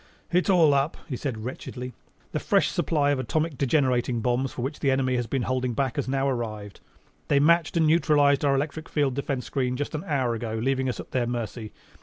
"It's all up," he said wretchedly. "The fresh supply of atomic degenerating bombs, for which the enemy has been holding back, has now arrived. They matched and neutralized our electric field defense screen just an hour ago, leaving us at their mercy.